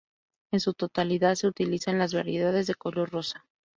En su totalidad, se utilizan las variedades de color rosa.